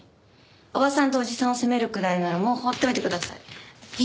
おばさんとおじさんを責めるくらいならもう放っておいてください。